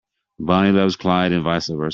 Bonnie loves Clyde and vice versa.